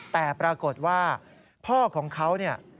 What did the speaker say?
แต่ปรากฏว่าพ่อของเขาเนี่ย